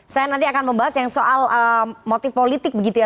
saya nanti akan membahas yang soal motif politik begitu ya